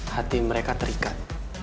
hati mereka terikat